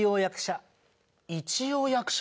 一応役者。